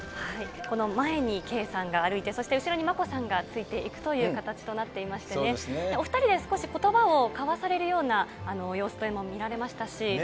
前に圭さんが歩いて、そして後ろに眞子さんがついていくという形になっていましてね、お２人で少しことばを交わされるような様子というのも見られましたし。